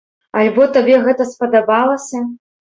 Альбо табе гэта спадабалася?